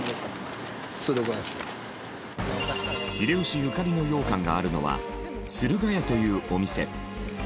秀吉ゆかりの羊羹があるのは駿河屋というお店。